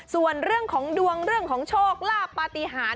ส่วนเรื่องของดวงเรื่องของโชคลาภปฏิหาร